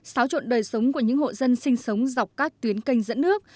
xáo trộn đời sống của những hộ dân sinh sống dọc các tuyến canh dẫn nước